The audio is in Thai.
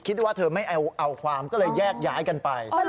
คิดว่าเธอไม่เอาความก็เลยแยกย้ายกันไป